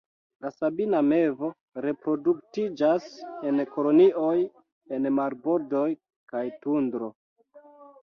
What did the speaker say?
La Sabina mevo reproduktiĝas en kolonioj en marbordoj kaj tundro.